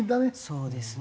そうですね。